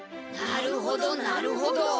なるほどなるほど。